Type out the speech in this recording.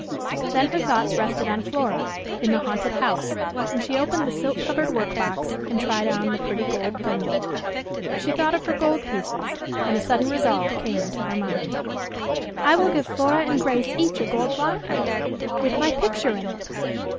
Then her thoughts rested on Flora, in the "haunted house," and she opened the silk covered work box and tried on the pretty gold thimble. She thought of her gold pieces, and a sudden resolve came into her mind: "I will give Flora and Grace each a gold locket, with my picture in it."